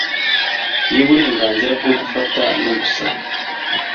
Iyo uburenganzira bwo gufata no gusaka